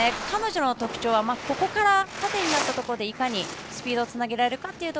彼女の特徴は縦になったところでいかにスピードにつなげられるか。